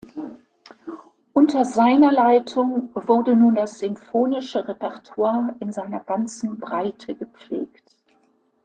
Unter seiner Leitung wurde nun das sinfonische Repertoire in seiner ganzen Breite gepflegt.